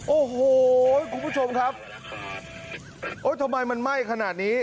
โอ้โหคุณผู้ชมครับโอ้ยทำไมมันไหม้ขนาดนี้